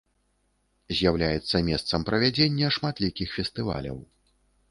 З'яўляецца месцам правядзення шматлікіх фестываляў.